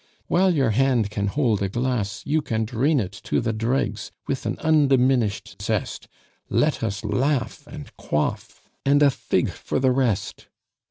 While your hand can hold a glass, You can drain it to the dregs, With an undiminished zest. Let us laugh, And quaff, And a fig for the rest!